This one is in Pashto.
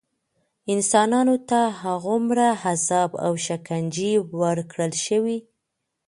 انسانانو ته هغومره عذاب او شکنجې ورکړل شوې.